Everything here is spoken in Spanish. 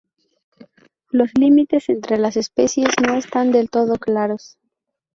Los límites entre las especies no están del todo claros.